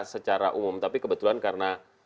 secara umum tapi kebetulan karena